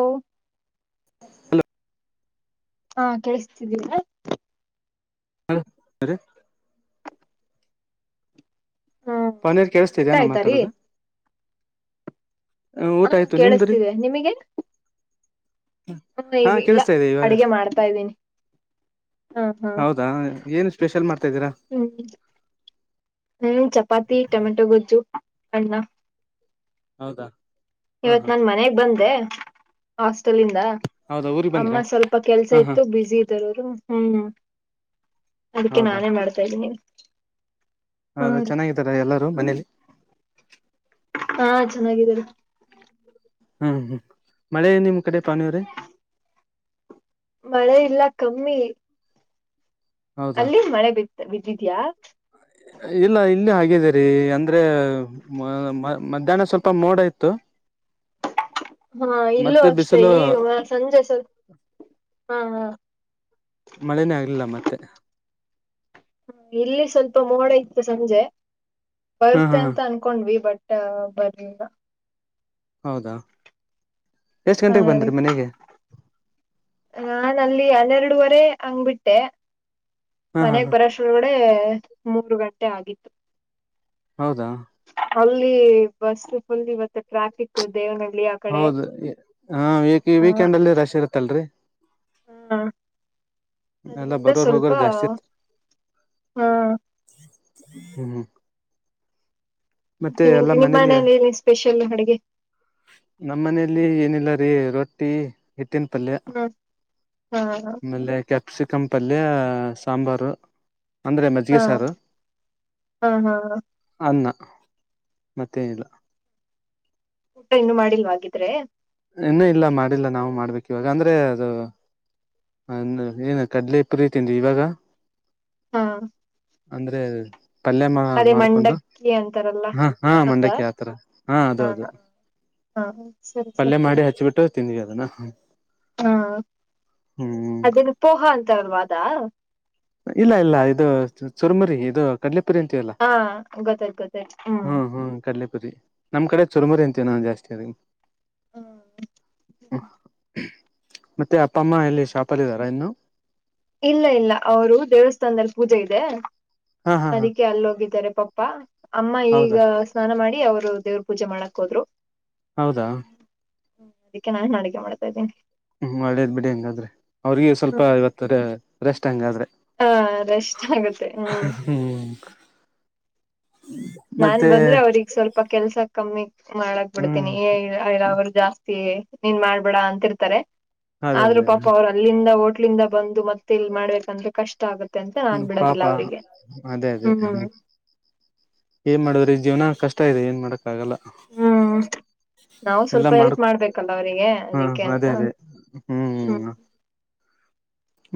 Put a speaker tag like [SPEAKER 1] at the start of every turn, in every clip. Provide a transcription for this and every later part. [SPEAKER 1] ಹಲ [unintelligible]
[SPEAKER 2] ಹಲೋ [inaudible]
[SPEAKER 1] ಹಾ [unintelligible] ಕೇಳಿಸತಿದ್ದೀರ
[SPEAKER 2] ಹ್ಮ್ ಸರಿ.
[SPEAKER 1] ಹ್ಮ್
[SPEAKER 2] ಪನೀರ್
[SPEAKER 1] ಊಟ
[SPEAKER 2] ಕೇಳಿಸ್ತಿದೆಯಾ ನಾ
[SPEAKER 1] ಆಯ್ತಾರೀ
[SPEAKER 2] ಮಾತಾಡದು. ಅ
[SPEAKER 1] ಹ
[SPEAKER 2] ಊಟ ಆಯ್ತು ನಿಮ್ದರಿ.
[SPEAKER 1] ಕೇಳಿಸ್ತಿದೆ ನಿಮಗೆ ಹ್ಮ
[SPEAKER 2] ಹಾ
[SPEAKER 1] ಈಗ ಇಲ್ಲ
[SPEAKER 2] ಕೇಳಿಸ್ತಾ ಇದೆ ಇವಾಗ.
[SPEAKER 1] ಅಡಗೆ ಮಾಡ್ತಾ ಇದ್ದೀನಿ ಹಾ
[SPEAKER 2] ಹೌದಾ ಏನ ಸ್ಪೆಷಲ್ ಮಾಡ್ತಾ ಇದ್ದೀರಾ.
[SPEAKER 1] ಹ್ಮ. ಹ್ಮ ಚಪಾತಿ ಟೊಮೆಟೊ ಗೊಜ್ಜು ಅಣ್ಣ.
[SPEAKER 2] ಹೌದಾ ಹಾ
[SPEAKER 1] ಇವತ್
[SPEAKER 2] ಹಾ
[SPEAKER 1] ನಾನ ಮನೆಗ ಬಂದೆ ಹಾಸ್ಟೆಲಿಂದ
[SPEAKER 2] ಹೌದಾ ಊರಿಗೆ
[SPEAKER 1] ಅಮ್ಮ
[SPEAKER 2] ಬಂದ್ರಾ
[SPEAKER 1] ಸ್ವಲ್ಪ ಕೆಲ್ಸ
[SPEAKER 2] ಹಾ ಹಾ
[SPEAKER 1] ಇತ್ತು ಬಿಜಿ. ಇದ್ದರರು ಹ್ಮ ಅದಕ್ಕೆ
[SPEAKER 2] ಹೌದಾ
[SPEAKER 1] ನಾನೇ ಮಾಡ್ತಾ ಇದ್ದೀನಿ. ಹ್ಮ
[SPEAKER 2] ಹೌದಾ ಚೆನ್ನಾಗಿದ್ದಾರ ಎಲ್ಲರೂ ಮನೇಲಿ.
[SPEAKER 1] ಹಾ ಚೆನ್ನಾಗೀದ್ದಾರೆ.
[SPEAKER 2] ಹ್ಮ ಹ್ಮ ಮಳೆ ನಿಮ್ ಕಡೆ ಪಾವನಿರಿ.
[SPEAKER 1] ಮಳೆ ಇಲ್ಲ ಕಮ್ಮಿ.
[SPEAKER 2] ಹೌದಾ
[SPEAKER 1] ಅಲ್ಲಿ ಮಳೆ ಬಿತ್ ಬಿದ್ದಿದ್ಯಾ.
[SPEAKER 2] ಇಲ್ಲ ಇಲ್ಲಿ ಆಗಿದರಿ ಅಂದ್ರ ಮ ಮ ಮಧ್ಯಾನ ಸ್ವಲ್ಪ ಮೋಡ ಇತ್ತು.
[SPEAKER 1] ಹಾ ಇಲ್ಲೂ
[SPEAKER 2] ಮತ್ತೆ
[SPEAKER 1] ಅಷ್ಟೇ
[SPEAKER 2] ಬಿಸಿಲು
[SPEAKER 1] ಈಗ ಅ ಸಂಜೆ ಸ್ವ ಹಾ ಹಾ
[SPEAKER 2] ಮಳೆನೇ ಆಗಿಲ್ಲ ಮತ್ತೆ
[SPEAKER 1] ಹ್ಮ ಇಲ್ಲಿ ಸ್ವಲ್ಪ ಮೋಡ ಇತ್ತು ಸಂಜೆ
[SPEAKER 2] ಹಾ ಹಾ
[SPEAKER 1] ಬರತ್ತೆ ಅಂತ ಅನ್ ಕೊಂಡ್ವಿ ಬಟ್ ಬರ್ಲಿಲ್ಲ.
[SPEAKER 2] ಹೌದಾ ಎಷ್ಟ ಗಂಟೆಗ ಬಂದ್ರೀ ಮನೆಗೆ
[SPEAKER 1] ನಾನ್ ಅಲ್ಲಿ ಹನ್ನೆರಡುವರೆ ಹಂಗಬಿಟ್ಟೆ
[SPEAKER 2] ಹಾ ಹಾ
[SPEAKER 1] ಮನೆಗ
[SPEAKER 2] ಹಾ
[SPEAKER 1] ಬರಷ್ ಳಗಡೆ ಮೂರ ಗಂಟೆ ಆಗಿತ್ತು.
[SPEAKER 2] ಹೌದಾ.
[SPEAKER 1] ಅಲ್ಲಿ ಬಸ್ ಫುಲ್ ಇವತ್ತ ಟ್ರಾಫಿಕ್ ದೇವನಹಳ್ಳಿ ಆ ಕಡೆ
[SPEAKER 2] ಹೌದ ಹ ವಿ ವೀಕೆಂಡ್ ಅಲ್ಲಿ ರಶ್ ಇರತ್ತಲ್ರರಿ.
[SPEAKER 1] ಹಾ
[SPEAKER 2] ಎಲ್ಲ
[SPEAKER 1] ಅದ್ರಿಂದ
[SPEAKER 2] ಬರೋರ್
[SPEAKER 1] ಸ್ವಲ್ಪ
[SPEAKER 2] ಹೋಗೋರ್ ಜಾಸ್ತಿ
[SPEAKER 1] ಹಾ
[SPEAKER 2] ಹ್ಮ.
[SPEAKER 1] ಗಿಣಿ
[SPEAKER 2] ಎಲ್ಲಾ
[SPEAKER 1] ಗಿಣಿ
[SPEAKER 2] ಮನೇಲಿ
[SPEAKER 1] ಮಾಡೇನಿಲ್ಲಿ ಸ್ಪೆಷಲ್ ಅಡ್ಗೆ.
[SPEAKER 2] ನಮ್ಮ ಮನೇಲಿ ಏನಿಲ್ಲ ರೀ ರೊಟ್ಟಿ. ಎತ್ತಿನ ಪಲ್ಯ
[SPEAKER 1] ಹ್ಮ ಹಾ ಹಾ
[SPEAKER 2] ಆಮೇಲೆ ಕೆ ಸಿಕ್ಕನ್ಪಲ್ಯ ಸಾಂಬಾರು. ಅಂದ್ರೆ ಮಜ್ಜಿಗೆ ಸಾರು
[SPEAKER 1] ಹಾ ಹಾ
[SPEAKER 2] ಅನ್ನ. ಮತ್ತೇನಿಲ್ಲ.
[SPEAKER 1] ಊಟ ಇನ್ನು ಮಾಡಿಲ್ವಾ ಆಗಿದ್ರೆ.
[SPEAKER 2] ಇನ್ನ ಇಲ್ಲ ಮಾಡಿಲ್ಲ ನಾವು ಮಾಡ್ಬೇಕ ಇವಾಗ ಅಂದ್ರೆ ಅದು ಹ ಏನ್ ಕಡ್ಲೆ ಇ ಪುರಿ ತಿಂದ್ವಿ ಇವಾಗ
[SPEAKER 1] ಹಾ
[SPEAKER 2] ಅಂದ್ರೆ ಪಲ್ಯ ಮಾ
[SPEAKER 1] ಅದೇ
[SPEAKER 2] ಮಾಡ್ಕೊಂಡು
[SPEAKER 1] ಮಂಡಕ್ಕಿ ಅಂತಾರಲ್ಲ
[SPEAKER 2] ಹ ಹಾ
[SPEAKER 1] ಅದಾ
[SPEAKER 2] ಮಂಡಕ್ಕಿ ಆತರ ಹಾ ಅದು ಅದು
[SPEAKER 1] ಹಾ ಸರಿ ಸರ
[SPEAKER 2] ತಿನ್ನಿ ಅದನಾ
[SPEAKER 1] ಹಾ
[SPEAKER 2] ಹ್ಮ್
[SPEAKER 1] ಅದೇನು ಪೋಹ ಅಂತ ಅಲ್ವಾ ಅದಾ.
[SPEAKER 2] ಇಲ್ಲ ಇಲ್ಲ ಇದು ಚುರ್ಮರಿ ಇದು. ಕಡಲೆ ಪುರಿ ಅಂತಿಯಲ್ಲ
[SPEAKER 1] ಹಾ ಗೊತ್ತಾಯ್ತು ಗೊತ್ತಾಯ್ತು
[SPEAKER 2] ಹ್ಮ ಹ್ಮ್ ಕಡಲೆ ಸರಿ ನಮ್ ಕಡೆ ಚುರ್ಮುರಿ ಅಂತ ಏನ ಜಾಸ್ತಿ ಅದ ಮತ್ತೆ ಅಪ್ಪ ಅಮ್ಮ ಎಲ್ಲಿ ಶಾಪ ಅಲ್ಲಿದ್ದಾರಾ ಇನ್ನು.
[SPEAKER 1] ಇಲ್ಲ ಇಲ್ಲ ಅವರು ದೇವಸ್ಥಾನದಲ್ಲಿ ಪೂಜೆ ಇದೆ..
[SPEAKER 2] ಹಾ ಹಾ ಹಾ
[SPEAKER 1] ಅದಕ್ಕೆ ಅಲ್ಲೋಗಿದ್ದಾರೆ ಪಪ್ಪಾ ಅಮ್ಮ ಈಗ.
[SPEAKER 2] ಹೌದಾ
[SPEAKER 1] ಸ್ನಾನ ಮಾಡಿ ಅವ್ರು ದೇವ್ರ ಪೂಜೆ ಮಾಡಕ್ ಹೋದ್ರು.
[SPEAKER 2] ಹೌದ
[SPEAKER 1] ಹ್ಮ ಅದಿಕ್ಕೆ ನಾನ್ ಅಡಿಗೆ ಮಾಡ್ತಾ ಇದೀನಿ.
[SPEAKER 2] ಹ್ಮ ಒಳ್ಳೇದ್ ಬಿಡಿ ಹಂಗಾದ್ರೆ ಅವ್ರಿಗೆ ಸ್ವಲ್ಪ ಇವತ್ತು ರೆಸ್ಟ್ ಹಂಗಾದ್ರೆ.
[SPEAKER 1] ಹಾಂ ರೆಸ್ಟು ಆಗುತ್ತೆ ಹ್ಮ್
[SPEAKER 2] ಹ್ಮ್
[SPEAKER 1] ನಾನ್
[SPEAKER 2] ಮತ್ತೆ
[SPEAKER 1] ಬಂದ್ರೆ ಅವ್ರಿಗೆ ಸ್ವಲ್ಪ ಕೆಲ್ಸ ಕಮ್ಮಿ ಮಾಡಕ್
[SPEAKER 2] ಹ್ಮ್
[SPEAKER 1] ಬಿಡ್ತೀನಿ ಏಯ್ ಅವರು ಜಾಸ್ತಿ ನೀನ್ ಮಾಡ್ಬೇಡ ಅಂತಿರ್ತಾರೆ
[SPEAKER 2] ಅದೇ
[SPEAKER 1] ಆದ್ರೂ
[SPEAKER 2] ಅದೇ
[SPEAKER 1] ಪಾಪ ಅವರು. ಅಲ್ಲಿಂದ ಹೋಟ್ಲಿಂದ ಬಂದು ಮತ್ತೆ ಇಲ್ಲಿ ಮಾಡ್ಬೇಕಂದ್ರೆ ಕಷ್ಟ ಆಗುತ್ತೆ. ಅಂತ ನಾನ್
[SPEAKER 2] ಹ್ಮ್
[SPEAKER 1] ಬಿಡೋದಿಲ್ಲ
[SPEAKER 2] ಪಾಪಾ
[SPEAKER 1] ಅವರಿಗೆ
[SPEAKER 2] ಅದೇ ಅದೇ ಹ್ಮ್ ಏನ್ ಮಾಡೋದ್ರಿ ಜೀವನ ಕಷ್ಟ ಇದೆ ಏನ್ ಮಾಡಕ್ಕಾಗಲ್ಲ.
[SPEAKER 1] ಹ್ಮ್ ನಾವು
[SPEAKER 2] ಎಲ್ಲಾ
[SPEAKER 1] ಸ್ವಲ್ಪ ಹೆಲ್ಪ್
[SPEAKER 2] ಮಾಡ್ಕೊ
[SPEAKER 1] ಮಾಡ್ಬೇಕಲ್ಲ ಅವರಿಗೆ
[SPEAKER 2] ಹಾ
[SPEAKER 1] ಅದಿಕ್ಕೆ ಅಂತ
[SPEAKER 2] ಅದೇ ಅದೇ
[SPEAKER 1] ಹ್ಮ್
[SPEAKER 2] ಹ್ಮ್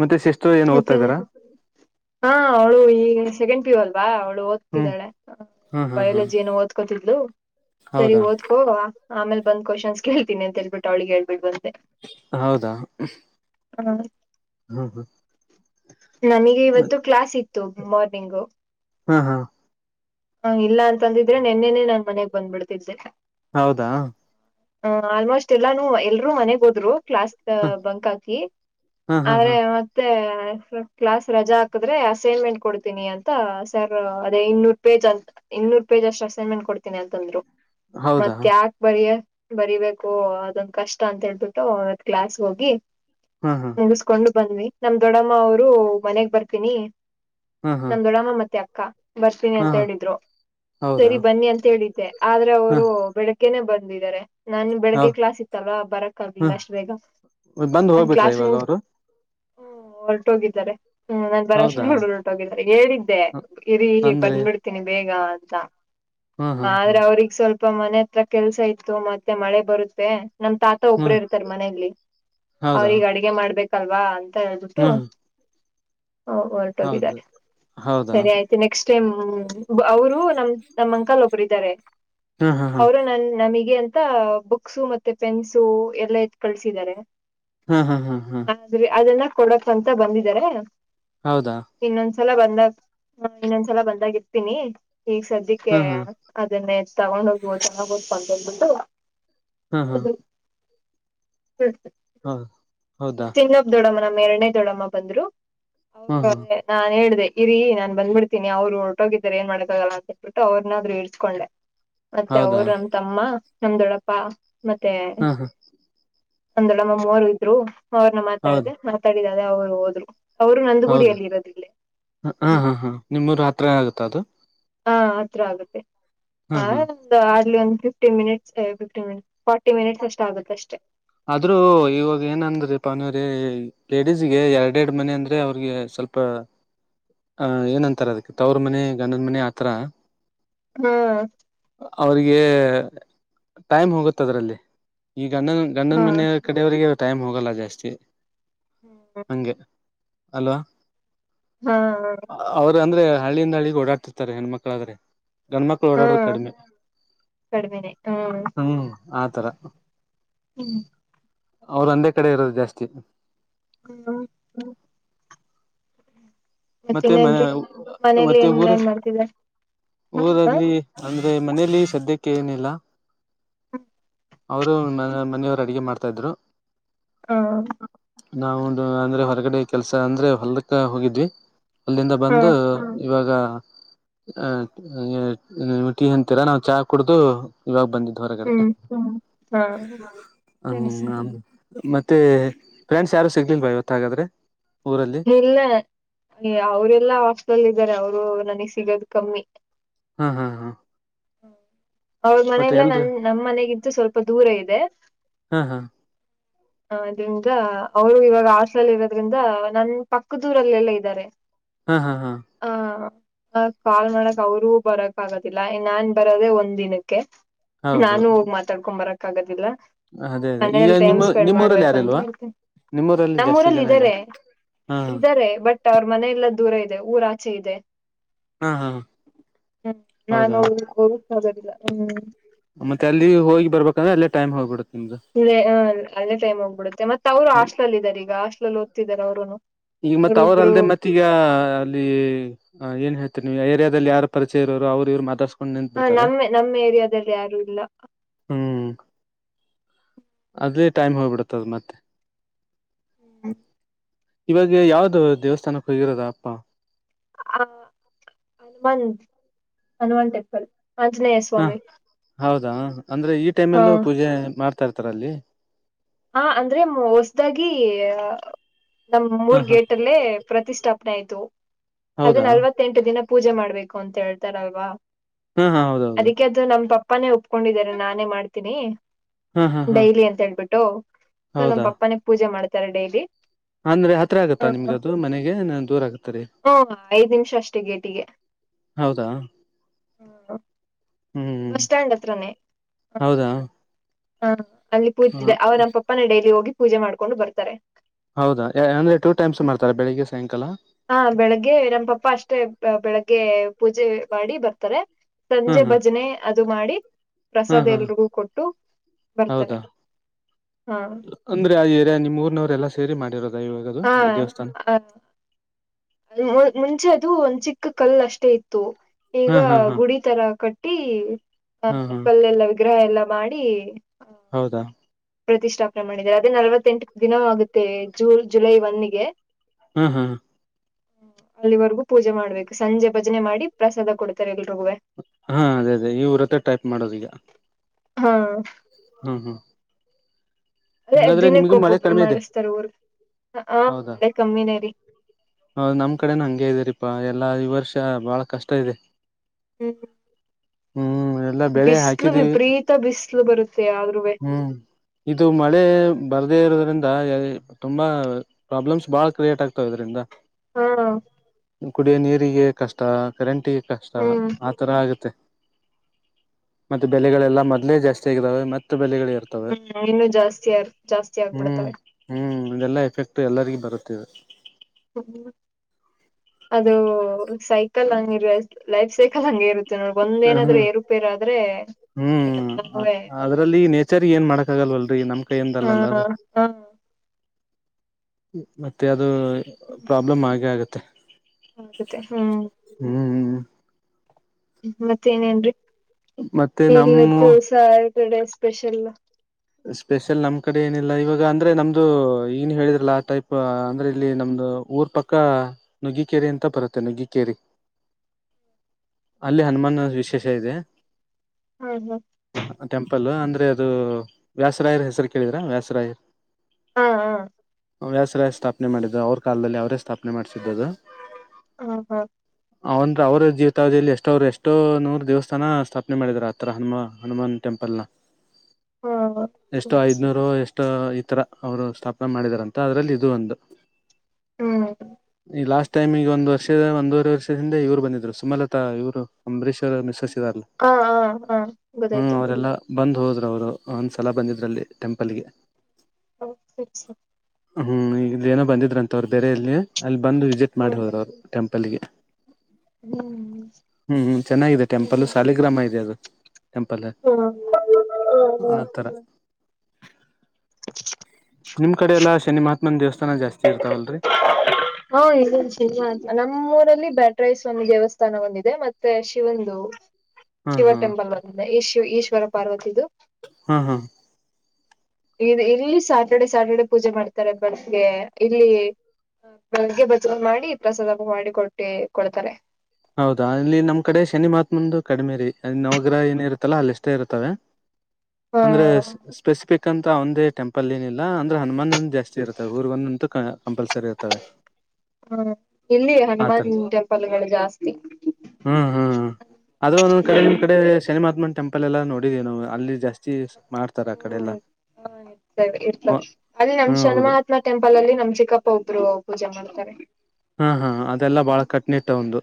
[SPEAKER 2] ಮತ್ತೆ ಸಿಸ್ಟ್ರ್ ಏನ್ ಓದ್ತಾ
[SPEAKER 1] ಮತ್ತೆ
[SPEAKER 2] ಇದ್ದಾರ
[SPEAKER 1] ಹಾ ಅವಳು ಈಗ ಸೆಕೆಂಡ್ ಪಿ ಯು ಅಲ್ವಾ ಅವಳು ಓದ್
[SPEAKER 2] ಹ್ಮ್
[SPEAKER 1] ತಿದ್ದಾಳೆ
[SPEAKER 2] ಹ್ಮ್ ಹ್ಮ್ ಹ್ಮ್
[SPEAKER 1] ಬೈಲಜಿ ಏನು ಓದ್ಕೋತಿದ್ಲು ಸರಿ
[SPEAKER 2] ಹೌದಾ
[SPEAKER 1] ಓದ್ ಓ ಆಮೇಲೆ ಬಂದು ಕ್ವೆಶ್ಚನ್ಸ್ ಕೇಳ್ತನಿ ಅಂತ ಹೇಳ್ಬಿಟ್ಟು ಅವಳಿಗೆ ಹೇಳ್ಬಿಟ್ಟ ಬಂದೆ
[SPEAKER 2] ಹೌದಾ
[SPEAKER 1] ಹ್ಮ್
[SPEAKER 2] ಹ್ಮ್ ಹ್ಮ್
[SPEAKER 1] ನನಗೆ ಇವತ್ತು ಕ್ಲಾಸ್ ಇತ್ತು ಮಾರ್ನಿಂಗು.
[SPEAKER 2] ಹಾಂ ಹಾಂ
[SPEAKER 1] ಇಲ್ಲ ಅಂತಂದಿದ್ರೆ ನೆನ್ನೆನೇ ನಾನ್ ಮನೆಗ್ ಬಂದ್ಬಿಡ್ತಿದ್ದೆ ಹಾಂ
[SPEAKER 2] ಹೌದಾ
[SPEAKER 1] ಆಲ್ಮೋಸ್ಟ್ ಎಲ್ಲಾನ ಎಲ್ರು ಮನೆಗ್ ಹೋದ್ರು ಕ್ಲಾಸ್
[SPEAKER 2] ಹ
[SPEAKER 1] ಬಂಕ್ ಹಾಕಿ
[SPEAKER 2] ಹಾ ಹಾ
[SPEAKER 1] ಆದ್ರೆ
[SPEAKER 2] ಹಾ
[SPEAKER 1] ಮತ್ತೆ ಕ್ಲಾಸ್ ರಜಾ ಹಾಕಿದ್ರೆ ಅಸೈನ್ಮೆಂಟ್ ಕೊಡ್ತೀನಿ ಅಂತ ಸರ್ ಅದೇ ಇನ್ನೂರು ಪೇಜ್ ಅ ಇನ್ನೂರ್ ಪೇಜ್ ಅಷ್ಟ ಅಸೈನ್ಮೆಂಟ್ ಕೊಡ್ತೀನಿ ಅಂತಂದ್ರು
[SPEAKER 2] ಹೌದಾ
[SPEAKER 1] ಮತ್ತ ಯಾಕ್ ಬರಿಯ ಬರಿಬೇಕು ಅದೊಂದ್ ಕಷ್ಟ ಅಂತ ಹೇಳ್ಬಿಟ್ಟು ಕ್ಲಾಸ್ ಹೋಗಿ
[SPEAKER 2] ಹಾಂ ಹಾಂ
[SPEAKER 1] ಮುಗಿಸ್ಕೊಂಡು ಬಂದ್ವಿ ನಮ್ ದೊಡ್ಡಮ್ಮ ಅವರು ಮನೆಗ್ ಬರ್ತೀನಿ
[SPEAKER 2] ಹಾ ಹಾ
[SPEAKER 1] ನಮ್ದೊಡಮ್ಮ ಮತ್ತೆ ಅಕ್ಕ [unintelligible]
[SPEAKER 2] ಹಾ
[SPEAKER 1] [unintelligible]
[SPEAKER 2] ಹಾ
[SPEAKER 1] ಹೇಳಿದ್ರು
[SPEAKER 2] ಹೌದಾ
[SPEAKER 1] ಸರಿ ಬನ್ನಿ ಅಂತ ಹೇಳಿದ್ದೆ ಆದ್ರೆ
[SPEAKER 2] ಹ
[SPEAKER 1] ಅವರು ಬೆಳಿಗ್ಗೆನೆ ಬಂದಿದ್ದಾರೆ. ನಾನ್
[SPEAKER 2] ಹೌ
[SPEAKER 1] ಬೆಳಗ್ಗೆ ಕ್ಲಾಸ್ ಇತ್ತಲ್ವಾ ಬರಕ್ ಆಗ್ಲಿಲ್ಲ
[SPEAKER 2] ಹ್ಮ
[SPEAKER 1] ಅಷ್ಟ್ ಬೇಗ
[SPEAKER 2] ಬಂದು
[SPEAKER 1] ನಾನ್
[SPEAKER 2] ಹೋಗ್ಬಿಟ್ರ
[SPEAKER 1] ಕ್ಲಾಸು
[SPEAKER 2] ಇವಾಗ ಅವರು
[SPEAKER 1] ಹ್ಮ್ ಹೊರ್ಟೋಗಿದ್ದಾರೆ ಹ್ಮ್ ನಾನ್ ಬರೋ
[SPEAKER 2] ಹೌದಾ
[SPEAKER 1] ಅಷ್ಟ್ರಲಿ ಅವ್ರು ಹೊರಟೋಗಿದ್ರು ಹೇಳಿದ್ದೆ ಇರಿ
[SPEAKER 2] ಅಂದ್ರೆ
[SPEAKER 1] ಬಂದ್ಬಿಡ್. ಬರ್ತೀನಿ ಬೇಗ ಅಂತ
[SPEAKER 2] ಹ್ಮ ಹಾ
[SPEAKER 1] ಆದ್ರೆ
[SPEAKER 2] ಹ್ಮ
[SPEAKER 1] ಅವ್ರಿಗೆ ಸ್ವಲ್ಪ ಮನೆ ಹತ್ರ ಕೆಲ್ಸ ಇತ್ತು ಮತ್ತೆ ಮಳೆ ಬರುತ್ತೆ ನಮ್ ತಾತ [unintelligible] ಒಬ್ಬರೆ
[SPEAKER 2] ಹ್ಮ್
[SPEAKER 1] ಇರ್ತಾರೆ ಮನೆಲಿ
[SPEAKER 2] ಹೌದಾ
[SPEAKER 1] ಅವ್ರೀಗೆ ಅಡಗೆ ಮಾಡ್ಬೇಕಲ್ವಾ ಅಂತ ಹೇಳ್ಬಿಟ್ಟು
[SPEAKER 2] ಹ್ಮ್
[SPEAKER 1] ಹ
[SPEAKER 2] ಹೌದು
[SPEAKER 1] ಹೊರಟೋಗಿದ್ದಾರೆ
[SPEAKER 2] ಹೌದಾ
[SPEAKER 1] ಸರಿ ಆಯ್ತು ನೆಕ್ಸ್ಟ್ ಟೈಮ್ ಅವರು ನಮ್ ನಮ್ಮ್ ಅಂಕಾಲ್ ಒಬ್ಬರು ಇದ್ದಾರೆ
[SPEAKER 2] ಹ್ಮ್ ಹ್ಮ್
[SPEAKER 1] ಅವರು ನನ್ ನಮಗೆ ಅಂತ ಬುಕ್ಸು ಮತ್ತೆ ಪೆನ್ಸು ಎಲ್ಲ ಎತ್ ಕಳ್ಸಿದ್ದಾರೆ
[SPEAKER 2] ಹಾ ಹಾ ಹಾ ಹಾ
[SPEAKER 1] ಆದ್ರಿ ಅದೆಲ್ಲ ಕೊಡಕ್ ಅಂತ ಬಂದಿದ್ದಾರೆ
[SPEAKER 2] ಹೌದಾ
[SPEAKER 1] ಇನ್ನೊಂದ್ಸಲ ಬಂದಾಗ ಇನ್ನೊಂದ್ಸಲ ಬಂದಾಗ ಇರ್ತೀನಿ ಈಗ್ ಸದ್ಯಕ್ಕೆ
[SPEAKER 2] ಹ್ಮ್ ಹ್ಮ್
[SPEAKER 1] ಅದನ್ನೇ ತಗೊಂಡ ಹೋಗ್ ವ ಚೆನ್ನಾಗ ಓದ್ [unintelligible]
[SPEAKER 2] ಹ್ಮ್ ಹ್ಮ್
[SPEAKER 1] ಹೌದು ಹ್ಮ್ ಹ್ಮ
[SPEAKER 2] ಹಾ
[SPEAKER 1] ಮತ್ ಇನ್ನೊಬ್ ದೊಡಮ್ಮ ನಮ್ಮ್ ಎರಡನೇ ದೊಡಮ್ಮ ಬಂದ್ರು
[SPEAKER 2] ಹ್ಮ್ ಹ್ಮ್
[SPEAKER 1] ನಾನ್ ಹೇಳ್ದೆ ಇರಿ ನಾನ್ ಬಂದ್ಬಿಡ್ತೀನಿ ಅವರು ಹೊರಟೋಗಿದ್ದಾರೆ ಏನ್ ಮಾಡಕಾಗಲ್ಲ ಅಂತೇಳ್ಬಿಟ್ಟು ಅವ್ರನಾದ್ರು ಇರುಸ್ಕೊಂಡೆ
[SPEAKER 2] [unintelligible]
[SPEAKER 1] ಮತ್ತೆ ಅವರು ನಮ್ ತಮ್ಮ ನಮ್ ದೊಡ್ಡಪ್ಪ ಮತ್ತೆ
[SPEAKER 2] ಹ್ಮ್ ಹ್ಮ್
[SPEAKER 1] ನಮ್ ದೊಡ್ಡಮ್ಮ ಮೂವರು ಇದ್ರು ಅವ್ರನ್ನ ಮಾತಾಡ್ದ
[SPEAKER 2] ಹೌದು
[SPEAKER 1] ಮಾತಾಡಿದ ಅದ ಅವ್ರು ಹೋದ್ರು ಅವರು ನಂದುಗುಡಿಯಲ್ಲಿ ಇರೋದಿಲ್ಲೆ
[SPEAKER 2] ಹಾ ಹಾ ಹಾ ನಿಮ್ಮೂರು ಹತ್ರ ಆಗುತ್ತ ಅದು
[SPEAKER 1] ಹಾ ಹತ್ರ ಆಗುತ್ತೆ ಆ
[SPEAKER 2] ಹ್ಮ್ ಹ್ಮ್
[SPEAKER 1] ಒಂದು ಅಲಿ ಒಂದು ಫಿಫ್ಟೀನ್ ಮಿನಿಟ್ಸ್ ಕಾಯ್ಬೇಕು ಫಾರ್ಟಿ ಮಿನಿಟ್ಸ್ ಅಷ್ಟ ಆಗುತ್ತಷ್ಟೆ
[SPEAKER 2] ಆದ್ರೂ ಇವಾಗ ಏನಂದ್ರ ಪಾನಿ ಅವ್ರೆ ಲೇಡೀಸ್ಗೆ ಎರಡ್ ಎರಡ್ ಮನೆ ಅಂದ್ರೆ ಅವ್ರಿಗೆ ಸ್ವಲ್ಪ ಅ ಏನಂತಾರ ಅದಕ್ಕೆ ತವ್ರ ಮನೆ ಗಂಡನ ಮನೆ ಆತರ
[SPEAKER 1] ಹ್ಮ್
[SPEAKER 2] ಅವ್ರಿಗೆ ಟೈಮ್ ಹೋಗುತ್ತ ಅದರಲ್ಲಿ ಈ ಗಂಡನ್ ಗಂಡನ
[SPEAKER 1] ಹಾ
[SPEAKER 2] ಮನೆಯ ಕಡೆಯವ್ರಿಗೆ ಟೈಮ್ ಹೋಗಲ್ಲ ಜಾಸ್ತಿ ಹಂಗೆ ಹಲೋ
[SPEAKER 1] ಹ್ಮ್ ಹ್ಮ್
[SPEAKER 2] ಅವರು ಅಂದ್ರೆ ಹಳ್ಳಿಯಿಂದ ಹಳ್ಳಿಗೆ ಓಡಾಡ್ತಿರ್ತಾರೆ ಹೆಣ್ಮಕ್ಳಾದ್ರೆ ಗಂಡ್ ಮಕ್ಳು
[SPEAKER 1] ಹಾ
[SPEAKER 2] ಓಡಾಡದು ಕಡಿಮೆ ಹ್ಮ್ ಆತರ
[SPEAKER 1] ಹ್ಮ್
[SPEAKER 2] ಅವ್ರು ಒಂದೇ ಕಡೆ ಇರೋದು ಜಾಸ್ತಿ
[SPEAKER 1] ಹ್ಮ ಮತ್ತ
[SPEAKER 2] ಮತ್ತೆ ಮ
[SPEAKER 1] ಇನ್ನೇನ್ರಿ ಮನೇಲಿ
[SPEAKER 2] ಮತ್ತೆ
[SPEAKER 1] ಏನ್
[SPEAKER 2] ಊರ
[SPEAKER 1] ಏನ್ ಮಾಡ್ತಿದಾರೆ ಹ
[SPEAKER 2] ಊರಲ್ಲಿ ಅಂದ್ರೆ ಮನೇಲಿ ಸದ್ಯಕ್ಕೆ ಏನಿಲ್ಲ
[SPEAKER 1] ಹ್ಮ
[SPEAKER 2] ಅವರು ಮನೆಯವ್ರು ಅಡಗೆ ಮಾಡ್ತಾ ಇದ್ರು
[SPEAKER 1] ಹ
[SPEAKER 2] ನಾವು ಅಂದ್ರೆ ಹೊರಗಡೆ ಕೆಲ್ಸ ಅಂದ್ರೆ ಹೊಲ್ಕ್ಕ ಹೋಗಿದ್ವಿ ಅಲ್ಲಿಂದ
[SPEAKER 1] ಹಾ
[SPEAKER 2] ಬಂದು ಇವಾಗ ಅ ಟೀ ಅಂತೀರ ನಾವು ಚಹಾ ಕುಡ್ದು ಇವಾಗ ಬಂದಿದ್ದು ಹೊರಗಡೆ ಹ್ಮ್
[SPEAKER 1] ಹಾ ಸರಿ ಸರಿ
[SPEAKER 2] ಹ ಮತ್ತೆ ಫ್ರೆಂಡ್ಸ್ ಯಾರು ಸಿಗ್ಲಿಲ್ವಾ ಇವತ್ತ ಹಾಗಾದ್ರೆ ಊರಲ್ಲಿ
[SPEAKER 1] ಇಲ್ಲ ಅವ್ರಲ್ಲಾ ಹಾಸ್ಟ್ಲಲ್ ಇದ್ದಾರೆ ಅವರು ನನಗೆ ಸಿಗೋದು ಕಮ್ಮಿ
[SPEAKER 2] ಹಾ ಹಾ ಹಾ
[SPEAKER 1] ಅವ್ರ
[SPEAKER 2] ಬಟ್
[SPEAKER 1] ಮನೆೆಯಲ್ಲ
[SPEAKER 2] ಎಲ್ರು
[SPEAKER 1] ನನ್ ನಮ್ಮ ಮನೆಗಿದ್ದು ಸ್ವಲ್ಪ ದೂರ ಇದೆ
[SPEAKER 2] ಹಾ ಹಾ
[SPEAKER 1] ಹ ಅದ್ರಿಂದ ಅವರು ಇವಾಗ ಹಾಸ್ಟೇಲಲ್ಲಿ ಇರೋದ್ರಿಂದ ನನ್ ಪಕ್ಕದೂರಲ್ಲೆಲ್ಲ ಇದ್ದಾರೆ
[SPEAKER 2] ಹಾ ಹಾ ಹಾ
[SPEAKER 1] ಹ ಆ ಕಾಲ್ ಮಾಡಕ್ ಅವರು ಬರಕ್ ಆಗದಿಲ್ಲ ಇನ್ ನಾನ್ ಬರೋದೇ ಒಂದ್ ದಿನಕ್ಕೆ. [inaudible]
[SPEAKER 2] ಹೌದು
[SPEAKER 1] ನಾನು ಹೋಗ ಮಾತಾಡಕೊಂಡ ಬರಕ್ ಆಗದಿಲ್ಲ. [inaudible]
[SPEAKER 2] ಅದೇ ಅದೇ ಈಗ ನಿಮ್ಮ [inaudible]
[SPEAKER 1] ಕನ್ ಮಾಡಬೇಕ ಅಂತ
[SPEAKER 2] ಯಾರಿಲ್ವಾ
[SPEAKER 1] ಹೇಳಿ
[SPEAKER 2] ನಿಮ್ಮೂರಲ್ಲಿ
[SPEAKER 1] ನಮ್ಮ
[SPEAKER 2] ಜಾಸ್ತಿ
[SPEAKER 1] ಊರಲ್ಲಿ
[SPEAKER 2] ಜನ ಇಲ್ಲ
[SPEAKER 1] ಇದಾರೆ.
[SPEAKER 2] ಹಾ
[SPEAKER 1] [inaudible] ಇದಾರೆ ಬಟ್ ಅವರ ಮನೆ ಎಲ್ಲ ದೂರ ಇದೆ ಊರ ಆಚೆ ಇದೆ. [inaudible]
[SPEAKER 2] ಹಾ ಹಾ
[SPEAKER 1] ನಾನು
[SPEAKER 2] ಹೌದಾ
[SPEAKER 1] ಅವರುವ ತೋಗೋಬೇಕ ಈಗ ಹೂ [inaudible]
[SPEAKER 2] ಮತ್ತೆ ಅಲ್ಲಿ ಹೋಗಿರ್ಬೇಕಂದ್ರ ಅಲ್ಲೇ ಟೈಮ್ ಹೋಗಬಿಡತ್ತ. [inaudible]
[SPEAKER 1] ಇಲ್ಲೇ ಯ ಅದೇ ಟೈಮ್ ಹೋಗ ಬುಡುತ್ತೆ ಮತ್ತ ಅವರು ಹಾಸ್ಟೆಲ್ ಅಲ್ಲಿ ಇದಾರೆ ಈಗ ಹಾಸ್ಟೆಲ್ ಅಲ್ಲಿ ಓದ್ತಿದಿದ್ದಾರೆ ಅವರುನು [inaudible]
[SPEAKER 2] ಈಗ ಮತ್ತ ಅವರ
[SPEAKER 1] ಅವ್ರೊಬ್ರು
[SPEAKER 2] ಅಲ್ಲದೇ ಮತ್ತ [inaudible] ತ್ತೀಗ ಅಲ್ಲಿ ಏನ್ ಹೇಳ್ತರಿ ನೀವು ಏರಿಯಾದಲ್ಲಿ ಯಾರ ಪರಿಚಯ ಇರೋರು ಅವರು ಇವರು ಮಾತಾಡಸ್ [inaudible]
[SPEAKER 1] ಹ ನಮ್ಮ ನಮ್ಮ ಏರಿಯಾದಲ್ಲಿ ಯಾರು ಇಲ್ಲ? [inaudible]
[SPEAKER 2] ಹೂ [inaudible] ಅದೇ ಟೈಮ್ ಆಗಬಿಡುತ್ತ ಅದ ಮತ್ತೆ. [inaudible]
[SPEAKER 1] ಹೂ [inaudible]
[SPEAKER 2] ಇವಾಗ ಯಾವದು ದೇವಸ್ಥಾನಕ್ಕೆ ಹೋಗಿರೋದ ಅಪ್ಪ ಅ [inaudible]
[SPEAKER 1] ಆ ಹನುಮನ್ ಹನುಮನ್ ಟೆಂಪಲ್ ಆಂಜನೇಯ
[SPEAKER 2] ಹ
[SPEAKER 1] ಸ್ವಾಮಿ. [inaudible]
[SPEAKER 2] ಹೌದಾ ಅಂದ್ರೆ ಈ ಟೈಮ್
[SPEAKER 1] ಹ
[SPEAKER 2] ನಲ್ಲೂ ಪೂಜೆ ಮಾಡ್ತಾ ಇರ್ತಾರ ಅಲ್ಲಿ? [inaudible]
[SPEAKER 1] ಹಾ ಅಂದ್ರೆ ಹೊಸಾತದಾಗಿ ನಮ್ಮ
[SPEAKER 2] ಹ
[SPEAKER 1] ಊರ ಮ
[SPEAKER 2] ಹ
[SPEAKER 1] ಗೇಟ್ ಅಲ್ [inaudible] ಅಲ್ಲೇ ಪ್ರತಿಷ್ಠಾಪನೆ ಆಯ್ತು ಅದು
[SPEAKER 2] ಹೌದಾ
[SPEAKER 1] ನಲವತ್ತ [inaudible] ತ್ತ ಎಂಟ ದಿನ ಪೂಜೆ ಮಾಡಬೇಕು ಅಂತ ಹೇಳ್ತಾರಲ್ವಾ? [inaudible]
[SPEAKER 2] ಹ ಹ ಹೌದ ಹೌದು. [inaudible]
[SPEAKER 1] ಅದಕ್ಕೆ ಅದು ನಮ್ಮ ಪಪ್ಪಾನೇ ಒಪ್ಕೊಂಡಿದ್ದಾರೆ ನಾನೇ ಮಾಡ್ತೀನಿ
[SPEAKER 2] ಹಾ ಹಾ ಹಾ
[SPEAKER 1] ಡೈಲಿ ಅಂತ ಹೇಳ್ಬಿಟ್ಟು. [inaudible] ಸೊ ನಮ್ಮ ಪಪ್ಪಾನೆ ಪೂಜೆ ಮಾಡ್ತಾರೆ ಡೈಲಿ. [inaudible]
[SPEAKER 2] ಅಂದರೆ ಹತ್ತರಾ ಆಗತ್ತಾ ನಿಮಗ
[SPEAKER 1] ಹ್ಮ್
[SPEAKER 2] ಅದು ಮನೆಗೆ ನ ದೂರ ಆಗ್ತರಿ. [inaudible]
[SPEAKER 1] ಐದ್ ನಿಮಿಷ ಅಷ್ಟೇ
[SPEAKER 2] ಹೌದಾ? [inaudible] ಹ್ಮ್
[SPEAKER 1] ಬಸ್ಟ್ಯಾಂಡ್ ಹತ್ತರಾನೆ.
[SPEAKER 2] ಹೌದಾ
[SPEAKER 1] [inaudible] ಹಾ ಅಲ್ಲಿ ಪೂಜೆದ ಅವರ ಪಪ್ಪಾ ನೆ ಡೈಲಿ ಹೋಗಿ ಪೂಜೆ ಮಾಡ್ಕೊಂಡು ಬರ್ತಾರೆ. [inaudible]
[SPEAKER 2] ಹೌದಾ ಯ ಅಂದ್ರೆ ಟೂ ಟೈಮ್ಸ್ ಮಾಡ್ತಾರೆ ಬೆಳ್ಳಿಗೆ ಸಾಯಂಕಾಲ? [inaudible]
[SPEAKER 1] ಹಾ ಬೆಳಗ್ಗೆ ನಮ್ಮ ಪಪ್ಪಾ ಅಷ್ಟೇ ಬೆಳಗ್ಗೆ ಪೂಜೆ ಮಾಡಿ ಬರ್ತಾರೆ. [inaudible]
[SPEAKER 2] ಹ್ಮ್
[SPEAKER 1] ಸಂಜೆ
[SPEAKER 2] ಹ್ಮ್
[SPEAKER 1] ಭಜನೆ ಅದು ಮಾಡಿ. [inaudible]
[SPEAKER 2] ಹ್ಮ್
[SPEAKER 1] ಪ್ರಸಾದ
[SPEAKER 2] ಹ್ಮ್
[SPEAKER 1] ಎಲ್ರಿಗೂ ಕೊಟ್ಟು ಬರ್ತಾರೆ.
[SPEAKER 2] ಹೌದಾ
[SPEAKER 1] ಹಾ [inaudible]
[SPEAKER 2] ಅಂದ್ರೆ ಆ ಏರಿಯಾ ನಿಮ್ಮ ಊರ ನವರೇ ಎಲ್ಲಾ ಸೇರಿ ಮಾಡಿರೋದಾ ಇವಾಗದು
[SPEAKER 1] ಹಾ
[SPEAKER 2] ದೇವಸ್ಥಾನ? [inaudible]
[SPEAKER 1] ಮುಂ ಮುಂಚೆ ಅದು ಒಂದ್ ಚಿಕ್ಕ ಕಲ್ಲ ಅಷ್ಟೇ ಇತ್ತು ಈಗ
[SPEAKER 2] ಹಾ ಹಾ ಹಾ
[SPEAKER 1] ಗುಡಿ [inaudible] ತರಾ ಕಟ್ಟಿ ಆ
[SPEAKER 2] ಹಾ ಹಾ
[SPEAKER 1] ಕಲ್ಲಲ್ಲೇ ವಿಗ್ರಹ ಎಲ್ಲಾ ಮಾಡಿ [inaudible]
[SPEAKER 2] ಹೌದಾ? [inaudible]
[SPEAKER 1] ಪ್ರತಿಷ್ಠಾಪನೆ ಮಾಡಿದ್ದಾರೆ ಅದು ನಲ್ವತ್ತೆಂಟು ದಿನ ಆಗುತ್ತೆ ಜೂನ್ ಜುಲೈ ಒನ್ ಗೇ [inaudible]
[SPEAKER 2] ಹ ಹ [inaudible]
[SPEAKER 1] ಅಲ್ಲಿವರೆಗೂ ಪೂಜೆ ಮಾಡಬೇಕು ಸಂಜೆ ಭಜನೆ ಮಾಡಿ ಪ್ರಸಾದ ಕೊಡ್ತಾರೆ ಎಲ್ಲರಿವಿಗೇ [inaudible]
[SPEAKER 2] ಹಾ ಅದೇ ಅದೇ ಇವ್ರತ್ತ ಟೈಪ್ ಮಾಡೋದ ಈಗ [inaudible]
[SPEAKER 1] ಹಾ [inaudible]
[SPEAKER 2] ಹ ಹ [inaudible]
[SPEAKER 1] ಅಂದರೇ ದಿನಕ್ಕ
[SPEAKER 2] ಮಳೆ
[SPEAKER 1] ಒಬ್ಬೊಬ್ರು
[SPEAKER 2] ಕಡಿಮೆ ಇದೆ
[SPEAKER 1] ಮಾಡಿಸ್ತಾರ ವರ್ಕ್ ಆ
[SPEAKER 2] ಹೌದಾ
[SPEAKER 1] ಬೇಳೆ ಕಮ್ಮಿ ನೇರಿ. [inaudible]
[SPEAKER 2] ಹೌದ ನಮ್ಮ ಕಡೆನೂ ಹಂಗೆ ಇದರಿಪಾ ಎಲ್ಲಾ ಈ ವರ್ಷ ಬಾಳ ಕಷ್ಟ ಇದೆ. [inaudible]
[SPEAKER 1] ಹೇಳ್ತೇನ
[SPEAKER 2] ಹ್ಮ್ ಎಲ್ಲಾ
[SPEAKER 1] [inaudible]
[SPEAKER 2] ಬೆಳೆ
[SPEAKER 1] ಬಿಸ್ಲು
[SPEAKER 2] ಹಾಕಿದೀವಿ
[SPEAKER 1] ವಿಪರೀತ ಬಿಸಲು ಬರುತ್ತೆ ಆದರು ವೆ. [inaudible]
[SPEAKER 2] ಹ್ಮ್ ಇದು ಮಳೆ ಬರದೇ ಇರೋದ್ರಿಂದ ಏ ಏ ತುಂಬಾ ಪ್ರಾಬ್ಲಮ್ಸ್ ಬಹಳ ಕ್ರಿಯೇಟ್ ಆಗ್ತವೆ ಇದರಿಂದ.
[SPEAKER 1] ಹಾ
[SPEAKER 2] ಕುಡಿಯ ನೀರಿಗೆ ಕಷ್ಟ ಕರೆಂಟಿಗೆ ಕಷ್ಟ
[SPEAKER 1] ಹ್ಮ್
[SPEAKER 2] ಆತರ ಆಗತ್ತೆ. ಮತ್ತ ಬೆಲೆಗಳೆಲ್ಲ ಮೊದ್ಲೇ ಜಾಸ್ತಿ ಆಗಿದಾವೆ ಮತ್ತೆ ಬೆಲೆಗಳು ಏರ್ತ್ತಾವೆ.
[SPEAKER 1] ಹ್ಮ್ ಇನ್ನು ಜಾಸ್ತಿ ಆರ್ ಜಾಸ್ತಿ ಆಗ್ಬಿಡ್ತಾವೆ.
[SPEAKER 2] ಹ್ಮ್ ಇದೆಲ್ಲಾ ಎಫೆಕ್ಟ್ ಎಲ್ಲರಿಗೂ ಬರುತ್ತ ಇದು.
[SPEAKER 1] [unintelligible] ಅದು ಸೈಕಲ್ ಹಂಗ ಲೆಫ್ ಲೈಫ್ ಸೈಕಲ್ ಹಂಗೆ ಇರುತ್ತ ತಿಂಗಳ ಒಂದನೆನಾದ್ರೂ
[SPEAKER 2] ಹ್ಮ್
[SPEAKER 1] ಏರುಪೇರಾದ್ರೆ
[SPEAKER 2] ಹ್ಮ್
[SPEAKER 1] ಎಲ್ಲಾನುವೆ
[SPEAKER 2] ಅದ್ರಲ್ಲಿ ನೇಚರ್ ಏನ್ ಮಾಡಕ್ ಆಗಲ್ವಲ್ರಿ ನಮ್ ಕೈಯಿಂದ
[SPEAKER 1] ಹ
[SPEAKER 2] ಅಲ್ಲಲ್ಲ ಅದು.
[SPEAKER 1] ಹ
[SPEAKER 2] ಮತ್ತೆ ಅದು ಪ್ರಾಬ್ಲಮ್ ಆಗೆ ಆಗುತ್ತೆ.
[SPEAKER 1] ಆಗುತ್ತೆ ಹ್ಮ್.
[SPEAKER 2] ಹ್ಮ್ ಹ್ಮ್ ಹ್ಮ್.
[SPEAKER 1] ಮತ್ತೇನೇನ್ರಿ
[SPEAKER 2] ಮತ್ತೆ
[SPEAKER 1] ಏನ
[SPEAKER 2] ನಮ್ಮ
[SPEAKER 1] ಇವತ್ತು ಸ್ಯಾಟರ್ಡೆ ಸ್ಪೆಷಲ್ಲ್?
[SPEAKER 2] ಸ್ಪೆಷಲ್ ನಮ್ ಕಡೆ ಏನಿಲ್ಲ ಇವಾಗ ಅಂದ್ರೆ ನಮ್ದು ಏನ್ ಹೇಳಿದ್ರಲ್ಲ ಆ ಟೈಪ್ ಅಂದ್ರೆ ಇಲ್ಲಿ ನಮ್ದು ಊರ್ ಪಕ್ಕ ನುಗ್ಗಿಕೇರಿ ಅಂತ ಬರುತ್ತೆ ನುಗ್ಗಿಕೇರಿ. ಅಲ್ಲಿ ಹನುಮಾನ ವಿಶೇಷ ಇದೆ.
[SPEAKER 1] ಹ್ಮ ಹ್ಮ.
[SPEAKER 2] ಟೆಂಪಲ್ ಅಂದ್ರೆ ಅದು ವ್ಯಾಸರಾಯರ್ ಹೆಸರು ಕೇಳಿರಾ ವ್ಯಾಸರಾಯರ್?
[SPEAKER 1] ಹಾ ಹಾ
[SPEAKER 2] ವ್ಯಾಸರಾಯ ಸ್ಥಾಪನೆ ಮಾಡಿದ್ದ ಅವ್ರ ಕಾಲದಲ್ಲಿ ಅವರೇ ಸ್ಥಾಪನೆ ಮಾಡಿಸಿದ್ದದು.
[SPEAKER 1] ಹಾ ಹಾ.
[SPEAKER 2] ಅಂದ್ರ ಅವ್ರ ಜೀವಿತಾವಧಿಯಲ್ಲಿ ಎಷ್ಟೋ ಅವ್ರ ಎಷ್ಟೋ ನೂರು ದೇವಸ್ಥಾನ ಸ್ಥಾಪನೆ ಮಾಡಿದಾರ. ತ್ರ ಹನುಮಾ ಹನುಮಾನ್ ಟೆಂಪಲ್ನ.
[SPEAKER 1] ಹ ಹ.
[SPEAKER 2] ಎಷ್ಟು ಐದ್ನೂರು ಎಷ್ಟು ಈತರ ಅವರು ಸ್ಥಾಪನೆ ಮಾಡಿದಾರಂತ ಅದ್ರಲ್ಲಿ ಇದು ಒಂದು.
[SPEAKER 1] ಹ್ಮ್ ಹ
[SPEAKER 2] ಈ ಲಾಸ್ಟ್ ಟೈಮ್ ಈಗ ಒಂದ ವರ್ಷದ ಒಂದೂವರಿ ವರ್ಷದ ಹಿಂದೆ ಇವ್ರ ಬಂದಿದ್ರು ಸುಮಲತಾ ಇವರು ಅಂಬರೀಶ್ ಅವರ್ ಮಿಸಸ್ ಇದಾರಲ್ಲಾ.
[SPEAKER 1] ಹ ಹಾ
[SPEAKER 2] ಹ್ಮ್
[SPEAKER 1] ಗೊತ್ತಾಯ್ತು
[SPEAKER 2] ಅವರೆಲ್ಲಾ ಬಂದ್ ಹೋದ್ರ ಅವರು ಒಂದ್ಸಲ ಬಂದಿದ್ರಲ್ಲಿ ಟೆಂಪಲ್ಗೆ.
[SPEAKER 1] [unintelligible]
[SPEAKER 2] ಹ್ಮ್ ಇಲ್ಲಿ ಏನೋ ಬಂದಿದ್ರಂತ ಅವ್ರ ಬೇರೆ ಇಲ್ಲಿ ಅಲ್ಲಿ ಬಂದು ವಿಸಿಟ್ ಮಾಡಿ ಹೋದ್ರ ಅವರು ಟೆಂಪಲ್ಗೆ.
[SPEAKER 1] ಹ್ಮ್
[SPEAKER 2] ಹ್ಮ್ ಹ್ಮ್ ಚೆನ್ನಾಗಿದೆ ಟೆಂಪಲ್
[SPEAKER 1] ಹ್ಮ್
[SPEAKER 2] ಸಾಲಿಗ್ರಾಮ ಇದೆ ಅದು ಟೆಂಪಲ್.
[SPEAKER 1] ಹಂ ಹಂ
[SPEAKER 2] ಆತರ
[SPEAKER 1] [unintelligible]
[SPEAKER 2] ನಿಮ್ ಕಡೆ ಎಲ್ಲ ಶನಿಮಹಾಂತ್ಮಂದ ದೇವಸ್ಥಾನ ಜಾಸ್ತಿ ಇರ್ತಾವಲ್ರಿ?
[SPEAKER 1] ಹ್ಮ್ ಇದೆ ಶನಿ ಮಹಾತ್ಮ ನಮ್ಮೂರಲ್ಲಿ ಬ್ಯಾಟರಾಯ ಸ್ವಾಮಿ ದೇವಸ್ಥಾನ ಒಂದಿದೆ ಮತ್ತೆ ಶಿವಂದು
[SPEAKER 2] ಹಾ
[SPEAKER 1] ಶಿವ
[SPEAKER 2] ಹಾ
[SPEAKER 1] ಟೆಂಪಲ್ ಒಂದಿದೆ ಈಷ ಈಶ್ವರ ಪಾರ್ವತಿದು.
[SPEAKER 2] ಹಾ ಹಾ
[SPEAKER 1] ಇದ ಇಲ್ಲಿ ಸ್ಯಾಟರ್ಡೆ ಸ್ಯಾಟರ್ಡೆ ಪೂಜೆ ಮಾಡ್ತಾರೆ ಬರ್ಗೆ ಇಲ್ಲಿ ಬೆಳಗ್ಗೆ ಭಜನೆ ಪ್ರಸಾದ್ [unintelligible] ಮಾಡಿ ಕೊಟ್ಟಿ ಕೊಡ್ತಾರೆ.
[SPEAKER 2] ಹೌದಾ ಅಲ್ಲಿ ನಮ್ ಕಡೆ ಶನಿಮಹಾತ್ಮಂದು ಕಡಿಮೆರಿ ನವಗ್ರಹ ಏನ ಇರುತ್ತಲ್ಲ ಅಲ್ಲಷ್ಟೇ ಇರ್ತವೆ.
[SPEAKER 1] ಹ
[SPEAKER 2] ಅಂದ್ರೆ ಸಾ ಸಾ ಸ್ಪೆಸಿಫಿಕ್ ಅಂತ ಅವ್ನ್ದೇ ಟೆಂಪಲ್ಲೆನಿಲ್ಲ ಅಂದರೆ ಹನುಮಾನಂದ ಜಾಸ್ತಿ ಇರ್ತಾವೆ ಊರಗೊಂದತು ಕ ಕಂಪಲ್ಸರಿ ಇರ್ತವೆ. [unintelligible]
[SPEAKER 1] ಹಾ ಇಲ್ಲಿ
[SPEAKER 2] ಆತರ
[SPEAKER 1] ಹನುಮಾನ್ ಟೆಂಪಲ್ಗಳು ಜಾಸ್ತಿ.
[SPEAKER 2] ಹ್ಮ್ ಹ್ಮ್ ಹ್ಮ್ ಅದು ಒಂದೊಂದ್ ಕಡೆ ನಿಮ್ ಕಡೆ ಶನಿಮಹಾತ್ಮಾಂದ ಟೆಂಪಲ್ ಎಲ್ಲಾ ನೋಡಿದೀವಿ ನಾವು ಅಲ್ಲಿ ಜಾಸ್ತಿ [unintelligible] ಮಾಡ್ತಾರ ಆ ಕಡೆ
[SPEAKER 1] ಹ್ಮ್
[SPEAKER 2] ಎಲ್ಲ
[SPEAKER 1] ಇರ್ತವೆ
[SPEAKER 2] ಹ್ಮ ಹೌದು
[SPEAKER 1] ಟೆಂಪಲ್ಲಲ್ಲಿ ನಮ್ ಚಿಕ್ಕಪ್ಪ ಒಬ್ರು ಪೂಜೆ ಮಾಡ್ತಾರೆ.
[SPEAKER 2] ಹಾ, ಹಾ ಅದೆಲ್ಲಾ ಬಾಳ ಕಟ್ಟನಿಟ್ಟ ಅವಂದು.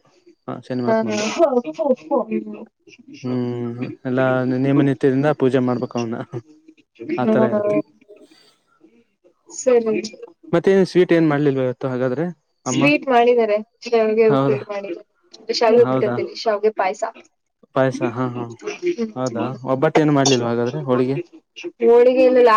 [SPEAKER 2] ಹ ಶನಿಮ್ಮಾತನದು [unintelligible] ಎಲ್ಲಾ ನೇಮ ತಿಂದ ಪೂಜೆ ಮಾಡಬೇಕಾವನಾ.
[SPEAKER 1] [unintelligible]
[SPEAKER 2] ಮತ್ತೆ ಸ್ವೀಟ್ ಏನ್ ಮಾಡ್ಲಿಲ್ವ ಇವತ್ತು ಹಾಗಾದ್ರೆ‌.
[SPEAKER 1] ಸ್ವೀಟ್ ಮಾಡಿದ್ದಾರೆ. ಶಾವಿಗೆ ಉಪ್ಪಿಟ್ಟು ಮಾಡಿದಾರೆ. ಶಾವಿಗಉಪ್ಪಿಟ್ಟಲ್ಲಾ ಶಾವಿಗೆ ಪಾಯ್ಸ.
[SPEAKER 2] ಪಾಯ್ಸ ಹಾ, ಹಾ ಹೌದಾ! ಒಬ್ಬಟ್ಟು ಏನು ಮಾಡ್ಲಿಲ್ಲ್ವ ಹಾಗಾದ್ರೆ ಹೋಳಿಗೆ.
[SPEAKER 1] ಹೋಳಿಗೆ ಇಲ್ಲಾ [inaudible]